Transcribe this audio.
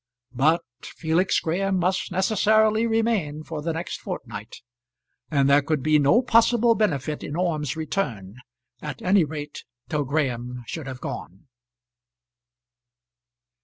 But Felix Graham must necessarily remain for the next fortnight, and there could be no possible benefit in Orme's return, at any rate till Graham should have gone.